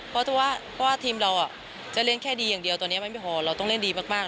เพราะว่าทีมเราจะเล่นแค่ดีอย่างเดียวตอนนี้ไม่พอเราต้องเล่นดีมาก